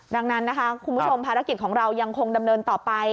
ดังนั้นนะคะคุณผู้ชมภารกิจของเรายังคงดำเนินต่อไป